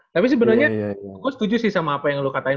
tapi sebenernya gue setuju sih sama apa yang lu katain